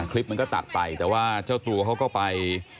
คลิปมันก็ตัดไปแต่ว่าเจ้าตัวเขาก็ไป